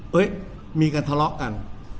เฮ้ยมีการทะเลาะกัน